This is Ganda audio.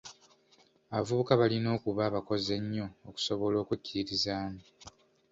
Abavubuka balina okuba abakozi ennyo okusobola okwekkiririzaamu.